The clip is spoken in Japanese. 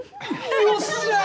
よっしゃ！